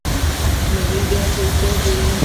ملي ګټې څه دي؟